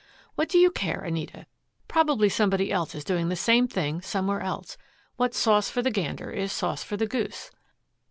"What do you care, Anita? Probably somebody else is doing the same thing somewhere else. What's sauce for the gander is sauce for the goose."